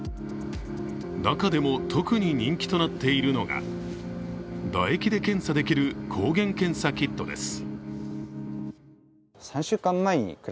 中でも、特に人気となっているのが唾液で検査できる抗原検査キットです。